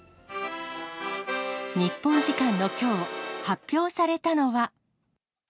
日本時間のきょう、発表されたのは。